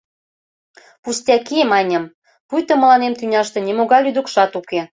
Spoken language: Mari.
— Пустяки! — маньым, пуйто мыланем тӱняште нимогай лӱдыкшат уке.